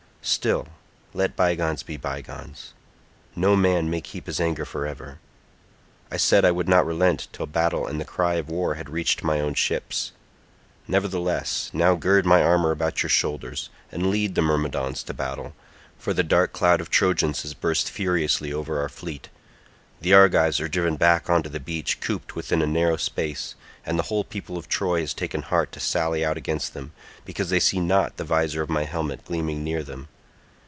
Still, let bygones be bygones: no man may keep his anger for ever; I said I would not relent till battle and the cry of war had reached my own ships; nevertheless, now gird my armour about your shoulders, and lead the Myrmidons to battle, for the dark cloud of Trojans has burst furiously over our fleet; the Argives are driven back on to the beach, cooped within a narrow space, and the whole people of Troy has taken heart to sally out against them, because they see not the visor of my helmet gleaming near them.